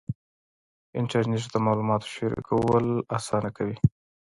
انټرنېټ د معلوماتو شریکول اسانه کوي.